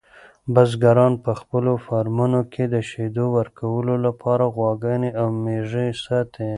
بزګران په خپلو فارمونو کې د شیدو ورکولو لپاره غواګانې او میږې ساتي.